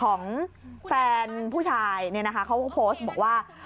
ของแฟนผู้ชายเนี่ยนะคะเขาก็โพสต์บอกว่า